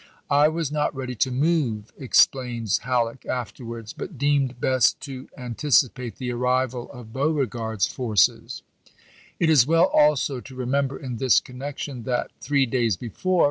"I was not ready to move," ex ^v K plains Halleck afterwards, " but deemed best to an i>p!*s87,"93. ticipate the arrival of Beauregard's forces." It is well also to remember in this connection that, three days before.